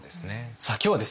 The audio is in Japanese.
さあ今日はですね